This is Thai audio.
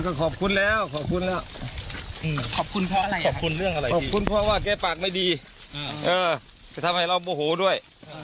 ก็ขอบคุณแล้วขอบคุณแล้วขอบคุณเพราะอะไรขอบคุณเรื่องอะไรขอบคุณเพราะว่าแกปากไม่ดีจะทำให้เราโมโหด้วย